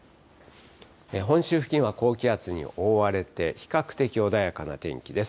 本州付近は高気圧に覆われて、比較的穏やかな天気です。